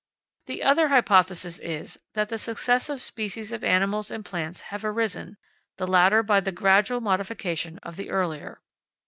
The other hypothesis is, that the successive species of animals and plants have arisen, the later by the gradual modification of the earlier.